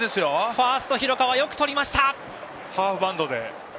ファースト、広川よくとりました。